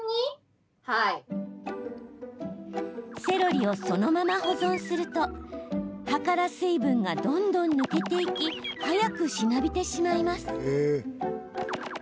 セロリをそのまま保存すると葉から水分がどんどん抜けていき早くしなびてしまいます。